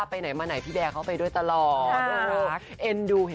ไปไหนมันไหนที่ว่าไปด้วยตลอด